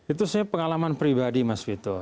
itu saya pengalaman pribadi mas vito